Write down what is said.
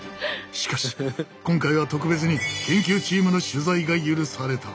しかし今回は特別に研究チームの取材が許された。